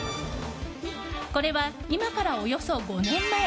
これは今からおよそ５年前。